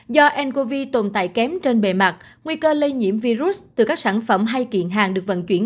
do ncov tồn tại kém trên bề mặt nguy cơ lây nhiễm virus từ các sản phẩm hay kiện hàng được vận chuyển